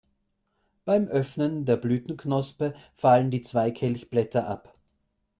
Beim Öffnen der Blütenknospe fallen die zwei Kelchblätter ab.